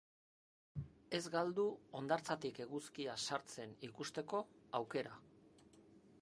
Ez galdu hondartzatik eguzkia sartzen ikusteko aukera.